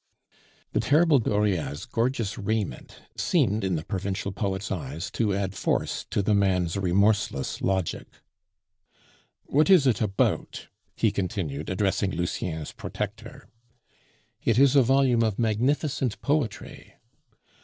The terrible Dauriat's gorgeous raiment seemed in the provincial poet's eyes to add force to the man's remorseless logic. "What is it about?" he continued, addressing Lucien's protector. "It is a volume of magnificent poetry."